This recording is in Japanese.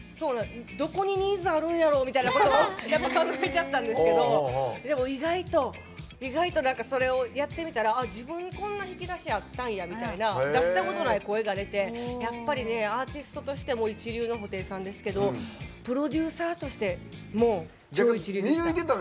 どこにニーズがあるんやろみたいなやっぱ考えちゃったんですけど意外とそれをやってみたら自分、こんな引き出しあったんやみたいな出したことない声が出てやっぱりアーティストとしても一流の布袋さんですけどプロデューサーとしても超一流でした。